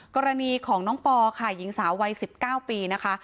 กรณีของน้องปอค่ะหญิงสาววัย๑๙ปีนะคะ